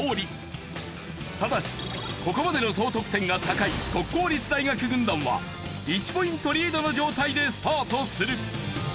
ただしここまでの総得点が高い国公立大学軍団は１ポイントリードの状態でスタートする。